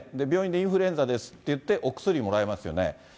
病院でインフルエンザですって言って、お薬もらいますよね。